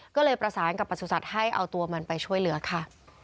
ก็เลยประสานกับประสุทธิ์ให้เอาตัวมันไปช่วยเหลือค่ะ